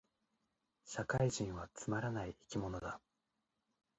社会人はつまらない生き物だ